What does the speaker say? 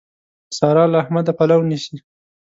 سارا له احمده پلو نيسي.